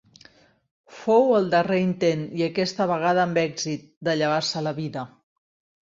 Fou el darrer intent, i aquesta vegada amb èxit, de llevar-se la vida.